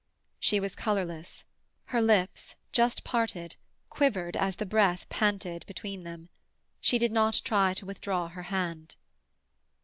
She was colourless; her lips, just parted, quivered as the breath panted between them. She did not try to withdraw her hand.